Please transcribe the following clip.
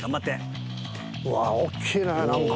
うわっ大きいねなんか。